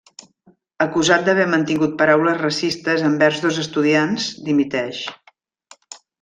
Acusat d'haver mantingut paraules racistes envers dos estudiants, dimiteix.